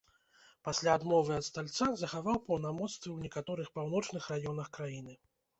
Пасля адмовы ад стальца захаваў паўнамоцтвы ў некаторых паўночных раёнах краіны.